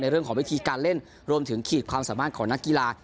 เรื่องของวิธีการเล่นรวมถึงขีดความสามารถของนักกีฬา